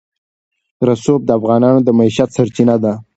رسوب د افغانانو د معیشت سرچینه ده.